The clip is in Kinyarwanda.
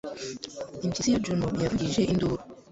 Impyisi ya Juno yavugije induru